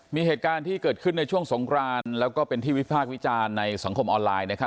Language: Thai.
มีเหตุการณ์ที่เกิดขึ้นในช่วงสงครานแล้วก็เป็นที่วิพากษ์วิจารณ์ในสังคมออนไลน์